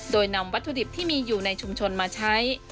โดยนำวัตถุดิบที่มีอยู่ในชุมชนมาใช้